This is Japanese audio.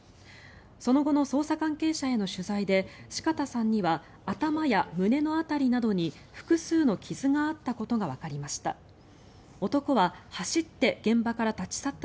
その後の捜査関係者への取材で四方さんには頭や胸の辺りなどに複数の傷があったことがわかりました。